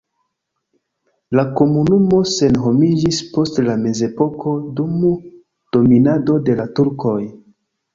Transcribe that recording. La komunumo senhomiĝis post la mezepoko dum dominado de la turkoj.